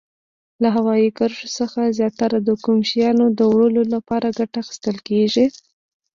له هوایي کرښو څخه زیاتره د کوم شیانو د وړلو لپاره ګټه اخیستل کیږي؟